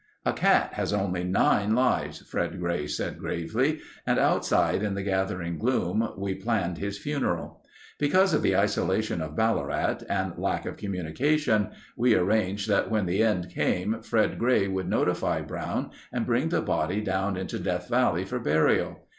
"A cat has only nine lives," Fred Gray said gravely, and outside in the gathering gloom we planned his funeral. Because of the isolation of Ballarat and lack of communication we arranged that when the end came, Fred Gray would notify Brown and bring the body down into Death Valley for burial.